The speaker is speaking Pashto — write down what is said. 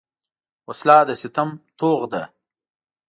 وسله د ستم توغ ده